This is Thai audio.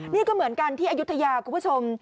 นี่ก็เหมือนกันที่อายุทยาคุณผู้ชม